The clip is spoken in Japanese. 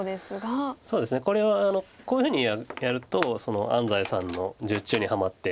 そうですねこれはこういうふうにやると安斎さんの術中にはまって。